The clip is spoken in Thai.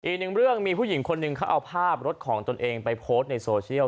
อีกหนึ่งเรื่องมีผู้หญิงคนหนึ่งเขาเอาภาพรถของตนเองไปโพสต์ในโซเชียล